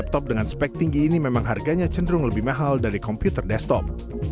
laptop dengan spek tinggi ini memang harganya cenderung lebih mahal dari komputer desktop